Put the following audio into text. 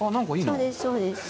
そうですそうです。